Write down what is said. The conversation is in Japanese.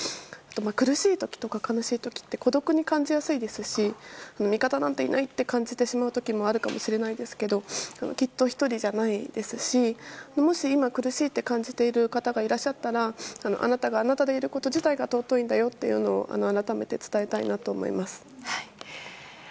苦しい時とか悲しい時って孤独に感じやすいですし味方なんていないって感じてしまう時もあるかもしれないですけどきっと１人じゃないですしもし今、苦しいと感じている方がいらっしゃったらあなたがあなたでいること自体が尊いんだよと改めて伝えたいなと思います。